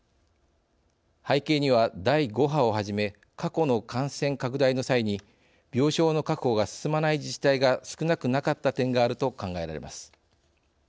背景には第５波をはじめ過去の感染拡大の際に病床の確保が進まない自治体が少なくなかった点があると考えられます。